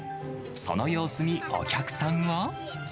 その様子にお客さんは。